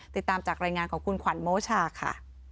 ติดตามจากรายงานของคุณขวัญโมชาค่ะ